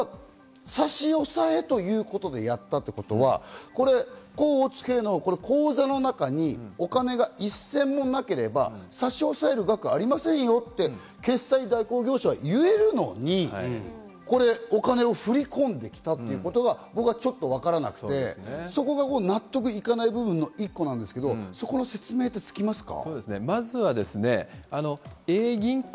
差し押さえということでやったということは、甲、乙、丙の口座の中にお金が一銭もなければ、差し押さえる額ありませんよと決済代行業者は言えるのに、これ、お金を振り込んできたというのは僕、ちょっとわからなくて納得いかない部分の１個なんですけれども、そこの説明ってつきますか？